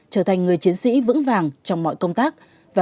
trở thành người chiến sĩ vững vàng trong mọi công tác